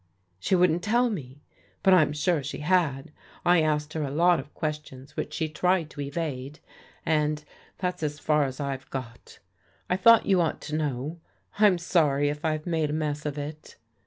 " She wouldn't tell me. But I'm sure she had. I asked her a lot of questions which she tried to evade, and that's as far as I've got. I thought you ought to know. I'm sorry if I've made a mess of it."